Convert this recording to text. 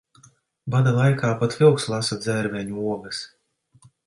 Bada laikā pat vilks lasa dzērveņu ogas.